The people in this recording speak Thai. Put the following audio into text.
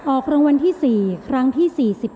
ออกรางวัลที่๔ครั้งที่๔๑